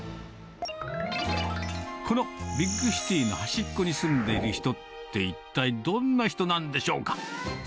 このビッグシティーの端っこに住んでいる人って、一体どんな人なんでしょうか。